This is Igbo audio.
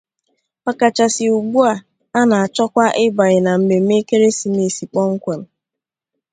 ọkachasị ugbua a na-achọkwa ịbànye na mmemme ekeresimeesi kpọmkwem.